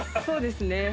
そうですね。